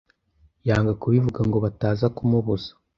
yanga kubivuga ngo bataza kumubuza